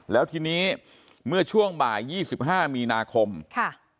แล้วทีนี้เมื่อช่วงบ่าย๒๕มีนาคมค่ะ